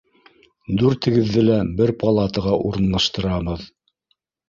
Дүртегеҙҙе лә бер палатаға урынлаштырабыҙ.